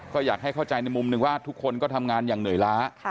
ก็อยากให้เข้าใจในมุมหนึ่งว่าทุกคนก็ทำงานอย่างเหนื่อยล้า